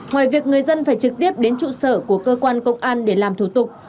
ngoài việc người dân phải trực tiếp đến trụ sở của cơ quan công an để làm thủ tục